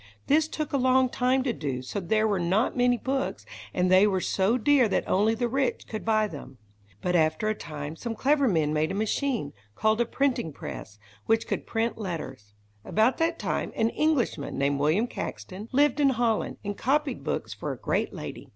This took a long time to do, so there were not many books, and they were so dear that only the rich could buy them. But after a time, some clever men made a machine, called a printing press, which could print letters. About that time, an Englishman, named William Caxton, lived in Holland, and copied books for a great lady.